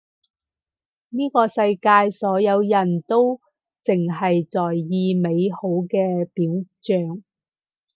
呢個世界所有人都淨係在意美好嘅表象